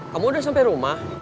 kamu udah sampai rumah